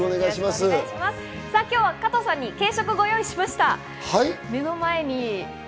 今日は加藤さんに軽食をご用意しました。